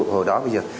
hồi đó bây giờ